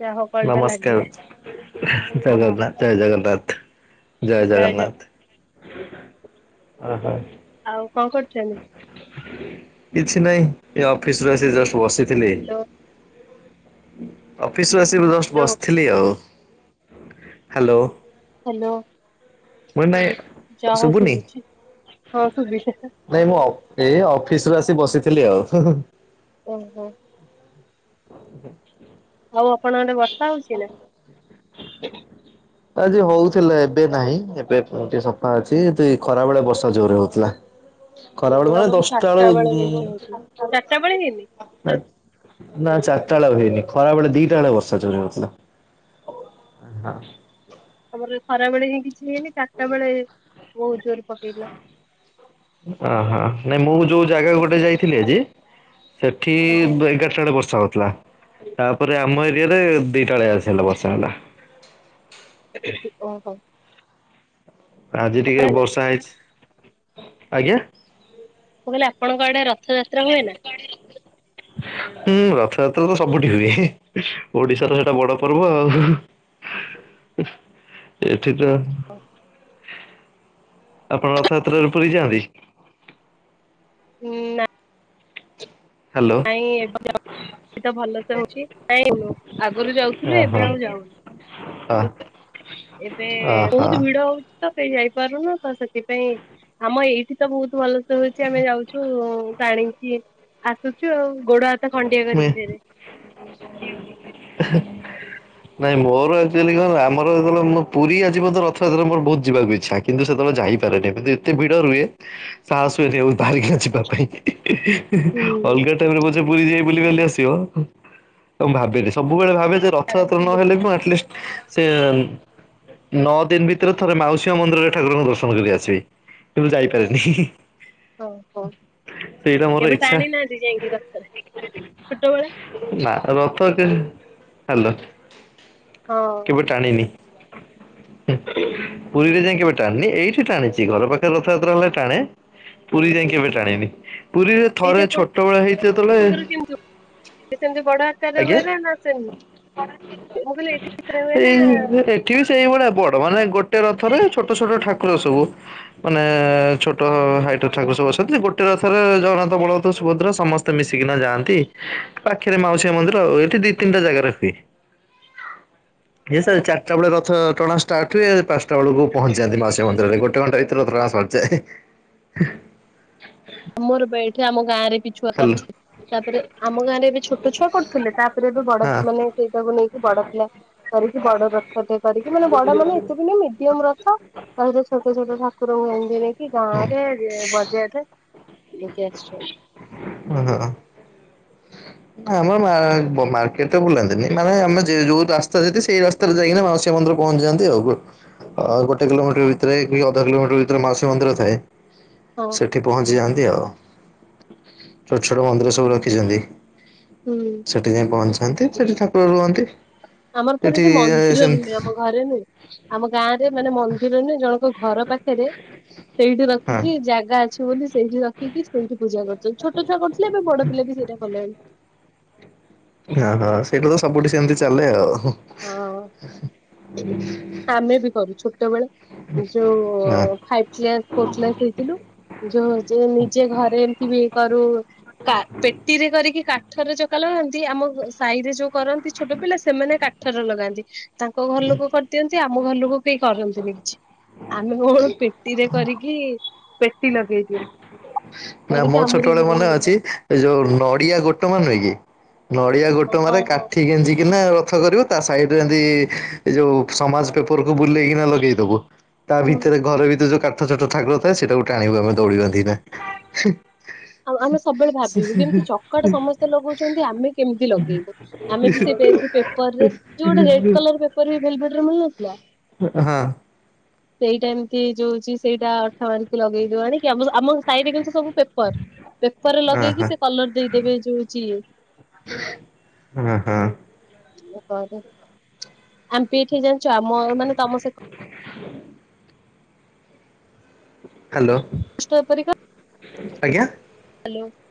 ଯାହା ହଉ କଲ୍ ଟା ନମସ୍କାର ଲାଗିଲା ଜୟ ଜଗନ୍ନାଥ ନମସ୍କାର ଜୟ ଜଗନ୍ନାଥ। ଜୟ ଜଗନ୍ନାଥ। [inaudible] ଉଁ ହୁଁ। ଆଉ କଣ କରୁଚନ୍ତି? କିଛି ନାହିଁ ଏ ଅଫିସ ରୁ ଆସି ଜଷ୍ଟ ବସିଥିଲି। ହ୍ୟାଲୋ ଅଫିସ୍ ରୁ ଆସି ଜଷ୍ଟ ହ୍ୟାଲୋ ବସିଥିଲି ଆଉ। ହ୍ୟାଲୋ। ହ୍ୟାଲୋ। ଯାହା [unintelligible] ହଉ ଶୁଭୁନି? ଶୁଭୁଛି ହଁ ଶୁଭିଲା। ନାଇଁ ମୁଁ ଅଫ୍ ଏ ଅଫିସ ରୁ ଆସି ଏମିତି ବସିଥିଲି ଆଉ। ଉଁ ହୁଁ। [inaudible] ଆଉ ଆପଣଙ୍କ ଆଡେ ବର୍ଷା ହଉଛି ଏଇନା? ଆଜି ହଉଥିଲା ଏବେ ନାହିଁ। ଏବେ ସଫା ଅଛି ଦୁ ଖରା ବେଳେ ବର୍ଷା ଜୋର ହଉଥିଲା। ଖରା ହୁଁ ବେଳୁ ମାନେ ଆମର ଦଶଟା ଚାରିଟା ବେଳୁ ବେଳେ ନା ମେଞ୍ଚେ ହଉଥିଲା। ଚାରିଟା ବେଳେ ହେଇନି ବେଳେ ଆଉ ହେଇନି। ଖରା ବେଳେ ଦିଟା ବେଳେ ବର୍ଷା ଜୋରେ ହଉଥିଲା। ହଁ। ଆମର ଖରା ବେଳେ ହିଁ କିଛି ହେଇନି। ଚାରିଟା ବେଳେ ବହୁତ୍ ଜୋର ପକେଇଥିଲା। ଅ ହଁ, ନାଇଁ ମୁଁ ଯୋଉ ଜାଗା କୁ ଗୋଟେ ଯାଇଥିଲି ଆଜି ସେଠି ଆଜ୍ଞା ଏଗାରଟା ବେଳେ ବର୍ଷା ହଉଥିଲା। ତାପରେ ଆମ ଏରିଆ ରେ ଦିଟା ବେଳିଆ ଆସିଗଲା ବର୍ଷା ହେଲା। ଓହୋ। ଆଜି ଟିକେ ହେଲା ବର୍ଷା ହେଇଚି। ଆଜ୍ଞା? ମୁଁ କହିଲେ ଆପଣଙ୍କ ଆଡେ ରଥଯାତ୍ରା ହୁଏ ନା? ହୁଁ ରଥଯାତ୍ରା ତ ସବୁଠି ହୁଏ। ଓଡିଶାର ସେଟା ବଡ ପର୍ବ ଆଉ। ଏଠିତ [unintelligible] ଆପଣ ରଥଯାତ୍ରା ରେ ପୁରୀ ଯାଆନ୍ତି? ନା। ହ୍ୟାଲୋ ନାଇଁ। [unintelligible] ଏଠିତ ଭଲ ସେ ହଉଚ। ନାଇଁ, ଆଗରୁ ଯାଉଥିଲୁ ଓହୋ ଏବେ ଆଉ ଯାଉନୁ। [unintelligible] ଏବେ ବହୁତ ଭିଡ ଓହୋ। ହଉଚି। ତ କେହି ଯାଇପାରୁନୁ। ତ ସେଥିପାଇଁ ଆମ ଏଇଠି ତ ବହୁତ ଭଲସେ ହଉଛି ଆମେ ଯାଉଛୁ ଟାଣିକି ଆସୁଛୁ ଆଉ। ଗୋଡ ହାତ ଖଣ୍ଡିଆ କରିକି ଫେରେ। [inaudible] ନାଇଁ ମୋର ଆକ୍ଚୁଲି କ ଆମ ଯେତେବେଳେ ପୁରୀ ଆ ଯିବ ତ ରଥଯାତ୍ରା ମୋର ବହୁତ ଯିବାକୁ ଇଚ୍ଛା ସେତେବେଳେ ଖାଇପନି ଏତେ ଭିଡରେ ସାହସ ହୁଏ ନି। ବାହାରିକିନା ଯିବା ପାଇଁ ହୁଁ ଅଲଗା ଟାଇମରେ କି ଆସିବ ଭାବେନି ସବୁବେଳେ ଭାବେ ରଥଯାତ୍ରା ଆରାମସେ ବୁଲୁ ନହେଲେ ଆଟଲିଷ୍ଟ ସେ ନଅ ଦିନ ଭିତରେ ଥରେ ମାଉସୀଆ ମନ୍ଦିରରେ ଠାକୁରଙ୍କୁ ଦର୍ଶନ କରି ଆସିବେ କିନ୍ତୁ ଯାଇପାରେନି। ଓ ହୋ ସେଇଟା ମୋର କେବେ ଇଚ୍ଛା ଟାଣି ନାହାନ୍ତି ଯାଇକି ରଥରେ? ଛୋଟବେଳେ ନା ରଥ କେ ହାଲୋ। ହଁ କେବେ ଟାଣିନି ପୁରୀରେ ଯାଇ କେବେ ଟାଣିନି ଏଇଠି ଟାଣିଛି ଘର ପାଖରେ ରଥଯାତ୍ରା ହେଲେ ଟାଣେ ପୁରୀ ଯାଇକି କେବେ ଟାଣିନି? ପୁରୀରେ ଏଇଠି ଥରେ ଛୋଟବେଳେ ହେଇଥିଲେ କେମିତି ସେମିତି ବଡ ଆକାର ହୁଏ ନା ନା ସେମିତି? ମୁଁ କହିଲି ଏଠି ହୁଏ ନା ସେଇ ଏଠି ସେଇ ଭଳିଆ ବଡ ମାନେ ଗୋଟେ ରଥରେ ଛୋଟ ଛୋଟ ଠାକୁର ସବୁ ମାନେ ଛୋଟ ହାଇଟ ଠାରୁ ସବୁ ଅଛନ୍ତି ଗୋଟେ ରଥରେ ଜଗନ୍ନାଥ ବଳଭଦ୍ର ସୁଭଦ୍ରା ସମସ୍ତେ ମିଶିକିନା ଯାଆନ୍ତି ପାଖରେ ମାଉସୀ ମନ୍ଦିର ଆଉ ଏଇଠି ଦି ତିନିଟା ଜାଗାରେ ହୁଏ। ଏ ସାର୍ ଚାରିଟା ବେଳେ ରଥ ଟଣା ଷ୍ଟାର୍ଟ ହୁଏ ପା ସେ ବେଳକୁ ପହଞ୍ଚି ଯାନ୍ତି ମାସ ମନ୍ଦିରରେ ଗୋଟେ ଘଣ୍ଟା ଭିତରେ ତାସ ସୂଚାଏ। ମୋର ବେଠି ଆମ ଗାଁରେ ବି ଛୁଆ କରି ଅଛି। ତାପରେ ଆମ ଗାଁ ରେ ଏବେ ଛୋଟ ଛୁଆ କରୁଥିଲେ ତାପରେ ଏବେ ବଡ ମାନେ ସେଇଟାକୁ ନେଇକି ବଡ ପିଲା କରିକି ବଡ ରଥ ଟେ କରିକି ମାନେ ବଡ ମାନେ ଏତେ ବି ନହଁ ମିଡିୟମ ରଥ। କହିଲ ଛୋଟ ଛୋଟ ଠାକୁରଙ୍କୁ ଏମିତି ନେଇକି ଗାଁରେ ବଜେଇ ନେଇକି ଆସିଛନ୍ତି। ଆମ ମାର୍କେଟ ତ ବୁଲାନ୍ତିନି ମାନେ ଆମେ ଯୋଉ ରାସ୍ତା ସେ ସେଇ ରାସ୍ତାରେ ଯାଇକି ମାଉସୀ ମନ୍ଦିର ପହଞ୍ଚିଯାଆନ୍ତି ଆଉ ଗୋଟେ କିଲୋମିଟର ଭିତରେ କି ଅଧା କିଲୋମିଟର ଭିତରେ ମାଉସୀ ମନ୍ଦିର ଥାଏ। ହଁ ସେଠି ପହଞ୍ଚି ଯାଆନ୍ତି ଆଉ ଛୋଟ ଛୋଟ ମନ୍ଦିର ସବୁ ରଖିଛନ୍ତି। ହୁଁ ସେଠି ଯାଇ ପଞ୍ଚନ୍ତି ସେଠି ଠାକୁର ରୁହନ୍ତି। ଆମର ରେ ଏଠି ମନ୍ଦିର ସେମତି ନୁହେଁ ଆମ ଘରେ ନୁହେଁ ଆମ ଗାଁରେ ମାନେ ମନ୍ଦିର ନୁହେଁ ଜଣ ଘର ପାଖରେ ସେଇଠି ହଁ ରଖିକି ଜାଗା ଅଛି ବୋଲି ସେଇଠି ରଖିକି ସେଇଠି ପୂଜା କରିଛନ୍ତି ଛୋଟ ଛୁଆ କରିଥିଲେ ଏବେ ବଡ଼ ପିଲା ବି ସେଇଟା କଲେଣି। ଓହୋ ସେଇଟା ତ ସବୁଠି ସେମିତି ଚାଲେ ଆଉ। ହଁ ଆମେ ବି କରୁ ଛୋଟବେଳେ। ଏଇ ଯୋଉ ହଁ। [unintelligible] ଯୋଉ ଯେ ନିଜେ ଘରେ ଏମତି ବି କରୁ ପେଟିରେ କରିକି କା ଠରେ ଚକା ଲଗାନ୍ତି ଆମ ସାହି ରେ ଯୋଉ କରନ୍ତି ଛୋଟ ପିଲା ସେମାନେ କା ର ଲଗାନ୍ତି ତାଙ୍କ ଘର ଲୋକ କରିଦିଅନ୍ତି ଆମ ଘର ଲୋକ କେହି କରନ୍ତିନି କିଛି। ଆମେ ପେଟିରେ କରିକି ପେଟି ଲଗେଇ ଦଉ। ନା ମୋ ଛୋଟବେଳେ ମାନେ ଅଛି ଏ ଯୋଉ ନଡିଆ ଗୋଟେ ମୁଇ କି ନଡିଆ ଗୋଟେ ମାରେ ହଁ ହଁ କାଠି ଗାଞ୍ଜିିକିନା ରଥ କରିବ ତା ସାଇଡ ଯେମତି ଏ ଯୋଉ ସମାଜ ପେପରକୁ ବୁଲେଇକିନା ଲଗେଇଦବ। ତା ହଁ ଭିତରେ ଘରେ ଭିତ ଯୋଉ କାଠ ଛୋଟ ଠାରୁ ଥାଏ ସେଟାକୁ ଟାଣିବୁ ଆମେ ଦୌଡ ବନେଇ କିନା। ଆଉ ଆମେ ସବୁବେଳେ ଭାବିବୁ କେମିତି ଚକାଟା ସମସ୍ତେ ଲଗଉଛନ୍ତି ଆମେ କେମିତି ଲଗେଇବୁ ଆମେ ବି ସେ ପେପରରେ ଯୋଉ ଗୋଟେ ରେଡ କଲର ପେପର ବି ଭେଲଡରେ ମିଳନଥିଲା। ହଁ। ସେଇଟା ଏମିତି ଯୋଉଚଛି ସେଇଟା ଅଠା ମାରିକି ଲଗେଇଦବା କି ଆମ ସାଇଡରେ କିୁ ସବୁ ପେପର। ପେପରରେ ହଁ ଲଗେଇକି ସେ କଲର ଦେଇଦେବେ ଯୋଉ ଯିଏ। ଓ ହୋ। ରେ ଆମ ପେଇ ଏଠି ଜାଣିଛ ଆମ ମାନେ ତମ ସେ ହ୍ୟାଲୋ। [unintelligible] ଆଜ୍ଞା ହ୍ୟାଲୋ।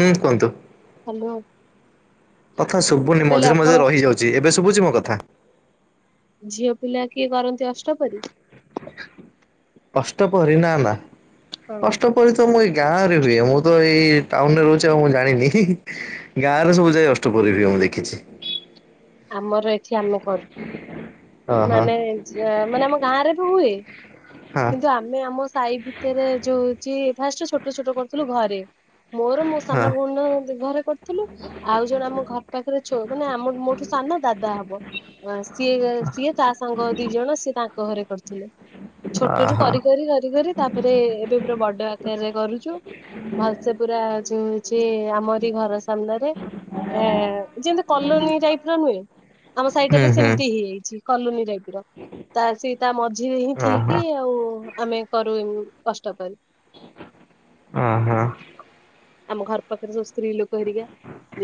ହୁଁ କୁହନ୍ତୁ। ହ୍ୟାଲୋ। କଥା ମୁଁ ଶୁଭୁନି କହିଲି ମଝିରେ ଆପଣ ମଝିରେ ରହିଯାଉଛି ଏବେ ଶୁଭୁଛି ମୋ କଥା? ଝିଅ ପିଲା କିଏ କରନ୍ତି ଅଷ୍ଟ ପରି ଅଷ୍ଟ ପ୍ରହରୀ ନା ନା। ହଁ ଅଷ୍ଟ ପହରୀ ମୁଁ ତ ଏଇ ଗାଁ ରେ ହୁଏ ମୁଁ ତ ଏଇ ଟାଉନରେ ରହୁଛି ଆଉ ମୁଁ ଜାଣିନି। ଗାଁରେ ସବୁ ଯାଇ ଅଷ୍ଟ ପହରୀ ହୁଏ ମୁଁ ଦେଖିଛି। ଆମର ଏଠି ଆମେ କରୁ। ଅହ ମାନେ ମାନେ ଆମ ଗାଁ ରେ ବି ହୁଏ। ହଁ। କିନ୍ତୁ ଆମେ ଆମ ସାହି ଭିତରେ ଯୋଉ ହଉଚି ଫାଷ୍ଟ ଛୋଟ ଛୋଟ କରୁଥିଲୁ ଘରେ। ମୋର ମୋ ସାନ ହଁ ଭଉଣୀର ଘରେ କରିଥିଲୁ। ଆଉ ଜଣେ ଆମ ଘର ପାଖରେ ଛୋ ମାନେ ଆମ ମୋଠୁ ସାନଦାଦା ହବ ସିଏ ସିଏ ତା ସାଙ୍ଗ ଦି ଜଣ ସିଏ ତାଙ୍କ ଘରେ କରିଥିଲେ। ଛୋଟରୁ ଅହ କରି କରି କରି କରି ତାପରେ ଏବେ ପୁରା ବଡ ଆକାରରେ କରୁଛୁ। ଭଲସେ ପୁରା ଯୋଉ ହଉଛି ଆମରି ଘର ସାମ୍ନାରେ। ଏ ଯେମତି କଲୋନୀ ଟାଇପର ନୁହେଁ? ଆମ ସାଇଟା ହୁଁ ବି ହୁଁ ସେମିତି ହେଇଯାଇଛି କଲୋନୀ ଟାଇପ ତା ସେ ତା ମଝିରେ ହିଁ ଅହ ଠିକି ଆଉ ଆମେ କରୁ ଅଷ୍ଟ ପହରୀ। ଅ ହଁ। ଆମ ଘର ପାଖରେ ସବୁ ସ୍ତ୍ରୀଲୋକ ହେରିକା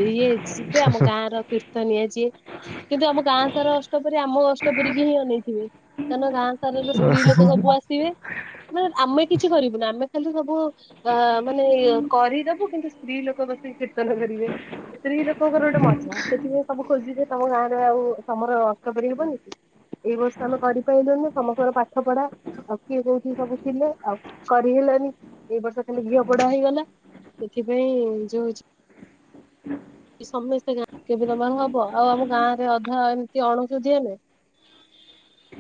ଇଏ ଯିବେ ଆମ ଗାଁର ତୀର୍ଥ କିନ୍ତୁ ଆମ ଗାଁ ସାରା ଅଷ୍ଟ ପରି ଆମ ଅଷ୍ଟ ପରିକି ହିଁ ଅନେଇଥିବେ। କାରନ ଗାଁ ସାରାର ସ୍ତ୍ରୀଲୋକ ସବୁ ଆସିବେ ମାନେ ଆମେ କିଛି କରିବୁନି। ଆମେ ଖାଲି ସବୁ ଅ ମାନେ କରିଦବୁ କିନ୍ତୁ ସ୍ତ୍ରୀଲୋକ କୀର୍ତ୍ତନ କରିବେ। ସ୍ତ୍ରୀଲୋକଙ୍କର ଗୋଟେ ମଜା ସେଥିପାଇଁ ସବୁ ଖୋଜିବେ ତମ ଗାଁ ଆଉ ତମର ଅଷ୍ଟ ପରି ହବନି କି? ଏଇ ବର୍ଷ ଆମେ କରିପାଇଲୁନି ସମସ୍ତଙ୍କର ପାଠପଢା ଆଉ କିଏ କୋଉଠ ସବୁ ଥିଲେ ଆଉ କରିହେଲାନି। ଏଇ ବର୍ଷ ଖାଲି ଘିଅ ପୋଡା ହେଇଗଲା। ସେଥିପାଇଁ ଯୋଉ ହଉଛି ସମସ୍ତେ [unintelligible] ହବ ଆଉ ଆମ ଗାଁରେ ଅଧା ଏମିତି ଅଣଷୁଧିଆ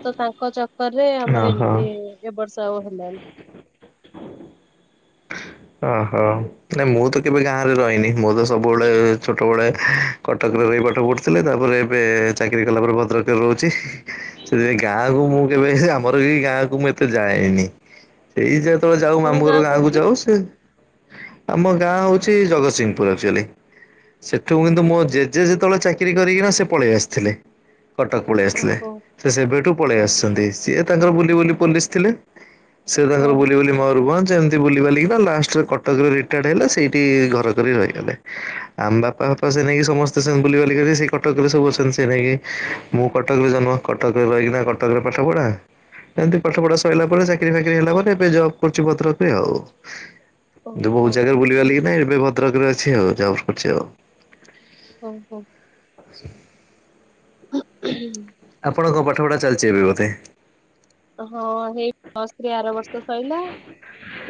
ତ ତାଙ୍କ ଚକ୍କରରେ ଆମର ଅହ ଏମତି ଏ ବର୍ଷ ଆଉ ହେ [unintelligible] ଓହୋ ନାଇ ମୁଁ ତ କେବେ ଗାଁରେ ରହିନି ମୁଁ ତ ସବୁବେଳେ ଛୋଟବେଳେ କଟକରେ ରହି ପାଠ ପଢୁଥିଲେ ତାପରେ ଏବେ ଚାକିରି କଲା ପରେ ଭଦ୍ରକରେ ରହୁଛି। ସେଥିପାଇଁ ଗାଁକୁ ମୁଁ କେବେ ଆମର ବି ଗାଁକୁ ମୁଁ ଏତେ ଯାଏନି। ସେଇ କେତେବେଳେ ଯାଉ ଆପଣଙ୍କ ମାମୁଘର ଗାଁ ଗାଁକୁ କୋଉଠି? ଯାଉ ସେ ଆମ ଗାଁ ହଉଛି ଜଗତସିଂହପୁର ଆଚୁଆଲି। ସେଠୁ କିନ୍ତୁ ମୋ ଜେଜେ ଯେତେବେଳେ ଚାକିରି କରିକିନା ସେ ପଳେଇ ଆସିଥିଲେ। କଟକ ପଳେଇ ଆସିଲଥିଲେ। ଓହୋ ସେ ସେବେଠୁ ପଳେଇ ହଁ ଆସିଛନ୍ତି। ସିଏ ତାଙ୍କର ବୁଲିବୁଲି ପୋଲିସ ଥିଲେ। ସେ ତାଙ୍କର ହଁ। ବୁଲିବୁଲି ମୟୁରଭଞ୍ଜ ଏମିତି ବୁଲିିବାଲିକି ଲାଷ୍ଟ କଟକରେ ରିଟାଡ ହେଲେ ସେଇଠି ଘର କରି ରହିଗଲେ। ଆମ ବାପା ଫାପା ସେ ନେଇକି ସମସ୍ତେ ସେ କଟକରେ ସବୁ ଅଛନ୍ତି ସେ ନେଇକି ମୁଁ କଟକରେ ଜନ୍ମ, କଟକରେ ରହିକିନା କଟକରେ ପାଠପଢା। ଏମତି ପାଠପଢା ସଇଲା ପରେ ଚାକିରି ଫାକିରି ହେଲା ପରେ ଏବେ ଜବ୍ କରୁଛି ଭଦ୍ରକରେ ଆଉ। ବହୁତ ଓହୋ ଜାଗାରେ ବୁଲିବାଲି କି ନାଇଁକିନା ଏବେ ଭଦ୍ରକରେ ଅଛି। ଆଉ ଜବ କରୁଛି ଆଉ। ହଉ ହଉ। ଆ [inaudible] [inaudible] ହ ହ [inaudible] ଆପଣଙ୍କ ପାଠପଢ଼ା ଚାଲିଛି ଏବେ ବୋଧେ? ହଁ ହେଇ ପ୍ଲସ ଥ୍ରୀ ଆର ବର୍ଷ ସଇଲା।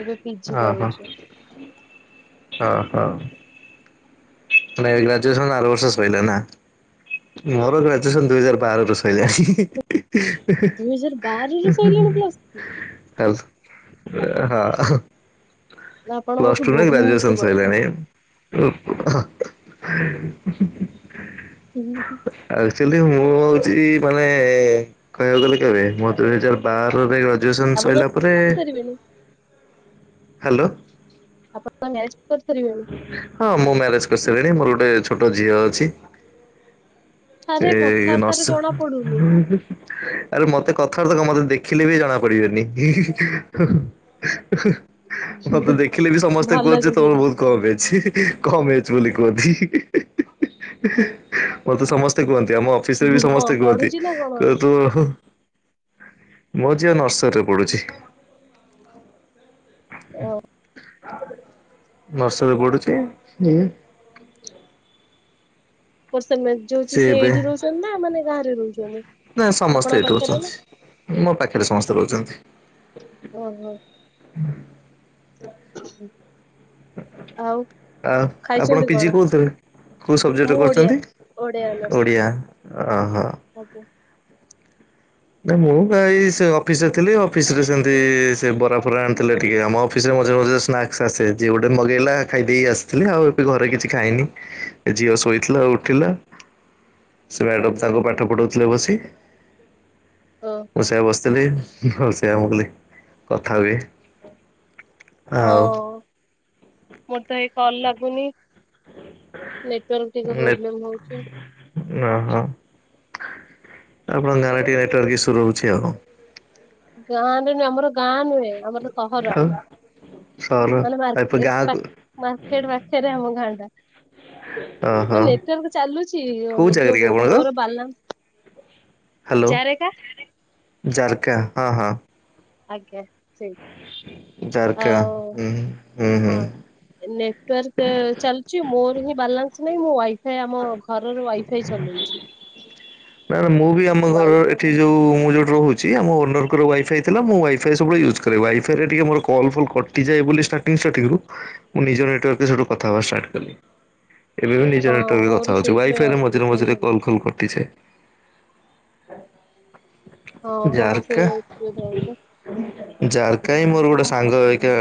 ଏବେ ପିଜି କରୁଚି। ହ ହ ଏ ଗ୍ରାଜୁଏସନ୍ ଆର ବର୍ଷ ସଇଲା ନା ମୋର ଗ୍ରାଜୁଏଶନ ଦୁଇ ହଜ ବାରରୁ ଶଇଲାଣି ଦୁଇ ହଜାର ବାରରେ ସଇଲାଣି ପ୍ଲସ ଥ୍ରୀ ହ [unintelligible] ହଁ ନା [inaudible] ଆପଣ ମୋଠୁ ପ୍ଲସ ଟୁରେ ବହୁତ ଗ୍ରାଜୁଏସନ ବଡ। ସରିଲାଣି ହା [unintelligible] ଆଚଲି ମୁ ମୁଁ ହଉଛି ମାନେ କହିବାକୁ ଗଲେ କେବେ ମୁଁ ଦୁଇ ହଜାର ବାରରେ ର ଗ୍ରାଜୁଏସନ୍ ଆପଣ ତ ସରିଲା ପରେ କରିପାରିବେନି ହ୍ୟାଲୋ ଆପଣ କଣ ମ୍ୟାରେଜ? କରିପାରିବେନି ହଁ ମୁଁ ମ୍ୟାରେଜ କରିସାରିଲିଣି ମୋର ଗୋଟେ ଛୋଟ ଝିଅ ଅଛି ଆରେ ଏଇ ନସ କଥାବାର୍ତ୍ତାରେ ଜଣା ପଡୁନି। ଆରେ ମତେ କଥା କଥାରେ ତ କ ମତେ ଦେଖିଲେ ବି ଜଣା ପଡିବେନି ହିଁ ହିଁ ହୋ ହୋ ମତେ ଦେଖିଲେ ବି ସମସ୍ତେ ଭଲ କହୁଛ କିନ୍ତୁ ତମର ଏଇଟା ବହୁତ ଏଜ୍ କମ୍ ଏଜ୍ ବୋଲି କୁହନ୍ତି ମତେ ସମସ୍ତେ କୁହନ୍ତି ଆମ ଅଫିସରେ ବି ହଁ ସମସ୍ତେ କୁହନ୍ତି ପଢୁଛି ନା କଣ କୁହତୁ ମୋ ଝିଅ ନର୍ସରୀରେ ପଡୁଛି। ଓ ନସରି ପଡୁଛି। ହୁ ପ ର ସେମାନେ ଯୋଉଚ ସେ ଏଇଠି ରହୁଛନ୍ତି ନା ମାନେ ଗାଁରେ ରହୁଛନ୍ତି। ନାଇ ସମସ୍ତେ ଆପଣଙ୍କ ଏଇଠି ପାଖରେ ନା ରହୁଛନ୍ତି ମୋ ପାଖରେ ସମସ୍ତେ ରହୁଛନ୍ତି। ଓହୋ ହୁଁ ଆଉ ଆଉ ଆପଣ ଖାଇଛନ୍ତି ପିଜି କଣ? କୋଉଥିରେ? କୋଉ ସବଜେକ୍ଟରେ ମୁଁ ଓଡିଆ କରୁଛନ୍ତି ଓଡିଆ ଅନର୍ସ ଓଡିଆ ଓହୋ। ଆଜ୍ଞା ନା ମୁଁ ଏଇ ସେ ଅଫିସ ରେ ଥିଲି ଅଫିସ ରେ ସେମିତି ସେ ବରା ଫରା ଆଣିଥିଲେ ଟିକେ ଆମ ଅଫିସରେ ମଝିରେ ମଝିରେ ସ୍ନାକ୍ସ୍ ଆସେ ଯିଏ ଗୋଟେ ମଗେଇଲା ଖାଇଦେଇକ ଆସିଥିଲେ ଆଉ ଏବେ ଘରେ କିଛି ଖାଇନିି ଝିଅ ଶୋଇଥିଲା ଉଠିଲା [inaudible] ସେ ମ୍ୟାଡ଼ମ୍ ତାଙ୍କୁ ଓହୋ ପାଠ ପଢ଼ଉଥିଲେ ବସି ଓହୋ ମୁଁ ସେଆ ବସିଥିଲି ହ ସେଆ ମୁ କଲି କଥା ହୁଏ ହଁ ଆଉ ମୋର ତ ଏଇ କଲ ଲାଗୁନି ନେଟୱାର୍କ ଟିକେ ନେ ପ୍ରୋବ୍ଲେମ୍ ହଉଛି ଓହୋ ଆପଣଙ୍କ ଗାଁ ନେଟାର୍କ ଇସୁ ରହୁଛି ଆଉ ଗାଁରେ ନୁହେଁ ଆମର ଗାଁ ନୁହେଁ ଆମର ସହର ଆଉ ସହର ମାନେ ମାର୍କେଟ ଗାଁକୁ ପାଖ ମାର୍କେଟ ପାଖରେ ଆମ ଗାଁ ଟା ଓହୋ ହ ନେଟୱାର୍କ ଚାଲୁଛି କୋଉ ଜାଗାରେ କି ଯୋଉ ଆପଣଙ୍କ? ମୋର ବାଲାନ୍ସ ହ୍ୟାଲୋ ଜାରେକା ଜାରକା ହଁ ହଁ ଆଜ୍ଞା ସେଇ ଜାରକା ହୁଁ ହୁଁ ହଁ ହୁଁ। ନେଟୱାର୍କ ଚାଲଛି ମୋର ହିଁ ବାଲା କିଛିନାଇଁ ମୁଁ ୱାଇଫାଇ ଆମ ଘରର ୱାଇଫାଇ ଚଲାଉଛି ନା ମୁଁ ବି ଆମ ଘର ଏଠି ଯୋଉ ମୁଁ ଯୋଉଠି ରହୁଛି ଆ ମୋ ଓନରଙ୍କ ୱାଇଫାଇ ଥିଲାଁ ୱାଇ ଫାଇ ସବୁ ୟୁଜ୍ କରେ ୱାଇଫ ରେ ଟିକେ ମୋର କଲ ଫଲ କଟିଯାଏ ବୋଲି ଷ୍ଟାର୍ଟିଂ ଷ୍ଟାର୍ଟିଂ ମୁଁ ନିଜ ନେଟୱାର୍କଟୁ କଥା ହେବାଷ୍ଟାଟ କଲି ଏବେ ବି ନିଜ ହଁ ନେଟାର୍କରେ ମୋର କଥା ହଉଛି ସେଇଥିପାଇଁ ୱାଇଫାଇ ରେ ମଝିରେ ଅସୁବିଧା ହିଁ ମଝରେ କଲ୍ ହଉଛି। କଲ କଟି ଯାଏ ହଁ ମୋର ବା ସେଇ ଜାରକା ଅସୁବିଧା ହଉଛି ଜାରକା ହିଁ ମୋର ଗୋଟେ ସାଙ୍ଗ ହେଇକା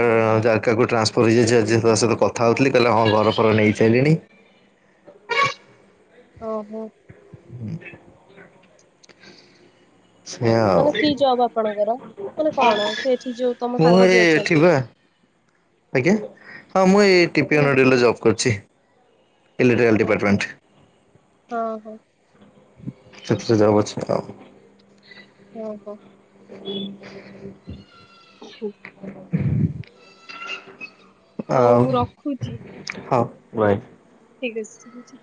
ଜାରକା କୁ ଟ୍ରାନ୍ସଫର୍ ହେଇଯାଇଛି ଆଜି ତା ସହିତ କଥା ହେଉଥିଲି କହିଲେ ହଁ ଘର ଫର ନେଇଶାରିଲିଣି [inaudible] [unintelligible] ସେଇଆ ଆଉ। ମାନେ କି ଜବ ଆପଣଙ୍କର ମାନେ କଣ ସେ ଏଠି ଯୋଉ ତମ ମୁଁ ସାଙ୍ଗ ଏଇ ବି ଅଛନ୍ତି ଏଠି ବା ଆଜ୍ଞା ହଁ ମୁଁ ଏଇ ଟିପି ମାନେ ଆ ରେ ଜବ୍ କରୁଛି ଇଲେକ୍ଟ୍ରିକଲ ହଁ ହଁ ଡିପାର୍ଟମେଣ୍ଟ। ହଁ ହଁ ସେଥି ଯବ୍ ଅଛିତ? ଓ ହୋ। ହ ହଉ ଆଉ ମୁଁ ରଖୁଛି ହଁ ବାଏ। ଠିକ୍ ଅଛି ଠିକ ଅଛି।